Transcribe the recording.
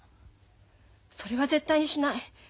それは絶対にしない。